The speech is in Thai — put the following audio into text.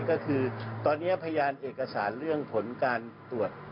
ก็คือตอนนี้พยานเอกสารเรื่องผลการตรวจ